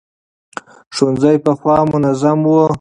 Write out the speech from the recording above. ښوونځي پخوا منظم وو.